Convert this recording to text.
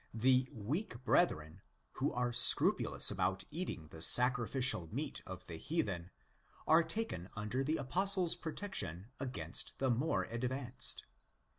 The ' weak brethren " who are scrupulous about eating the sacri ficial meat of the heathen are taken under the Apostle's protection against the more advanced.